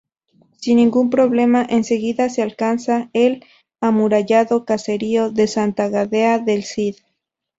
Sin ningún problema enseguida se alcanza el amurallado caserío de Santa Gadea del Cid.